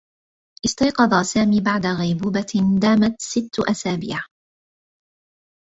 استيقظ سامي بعد غيبوبة دامت ستّ أسابيع.